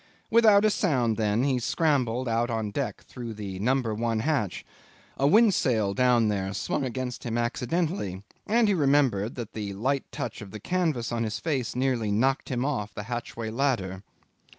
Without a sound, then, he scrambled out on deck through the number one hatch. A windsail rigged down there swung against him accidentally, and he remembered that the light touch of the canvas on his face nearly knocked him off the hatchway ladder.